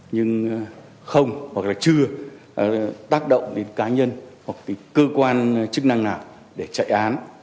nhưng không hoặc là chưa tác động đến cá nhân hoặc từ cơ quan chức năng nào để chạy án